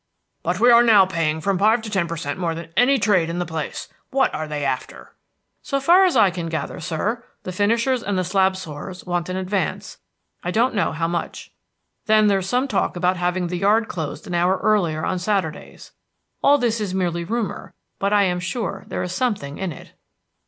"But we are now paying from five to ten per cent more than any trade in the place. What are they after?" "So far as I can gather, sir, the finishers and the slab sawers want an advance, I don't know how much. Then there's some talk about having the yard closed an hour earlier on Saturdays. All this is merely rumor; but I am sure there is something in it."